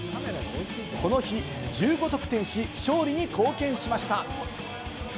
この日１５得点し、勝利に貢献しました。